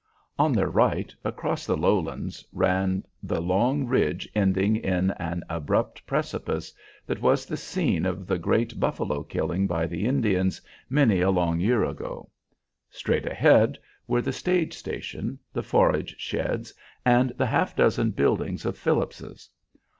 On their right, across the lowlands, ran the long ridge ending in an abrupt precipice, that was the scene of the great buffalo killing by the Indians many a long year ago. Straight ahead were the stage station, the forage sheds, and the half dozen buildings of Phillips's.